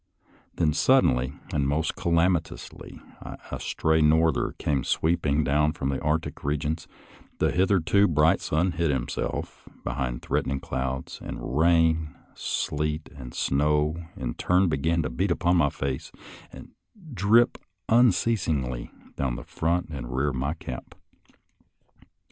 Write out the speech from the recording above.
Then suddenly and most calamitously a stray norther came sweeping down from the Arctic regions, the hitherto bright sun hid himself behind threat ening clouds, and rain, sleet, and snow, in turn, began to beat upon my face and drip unceasingly down the front and rear of my cap.